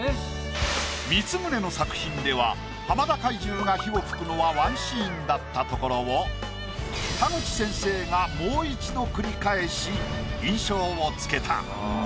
光宗の作品では浜田怪獣が火を吹くのはワンシーンだったところを田口先生がもう一度繰り返し印象をつけた。